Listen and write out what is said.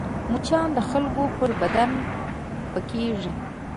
مچان د خلکو پر بدن پکېږي